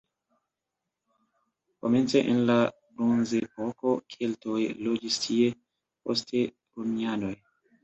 Komence en la bronzepoko keltoj loĝis tie, poste romianoj.